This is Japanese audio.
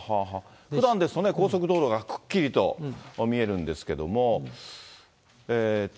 ふだんですと高速道路がくっきりと見えるんですけども。